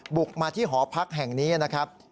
บุกมาที่หอพักแห่งนี้นะครับ